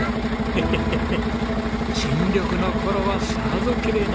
ヘヘヘヘッ新緑の頃はさぞきれいなんでしょうね。